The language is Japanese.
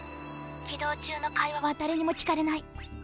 起動中の会話は誰にも聞かれない。